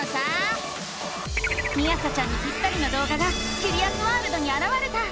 みあさちゃんにぴったりの動画がキュリアスワールドにあらわれた！